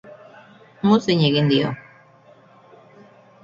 Muzin egin dio.